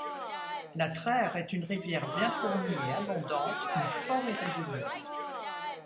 La Traire est une rivière bien fournie et abondante, mais fort irrégulière.